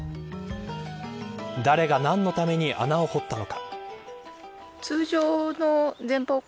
誰が何のために穴を掘ったのか。